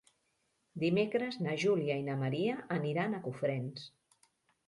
Dimecres na Júlia i na Maria aniran a Cofrents.